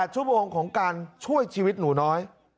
ชั่วโมงของการช่วยชีวิตหนูน้อย